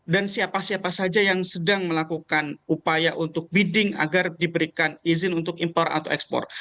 dan siapa siapa saja yang sedang melakukan upaya untuk bidding agar diberikan izin untuk impor atau ekspor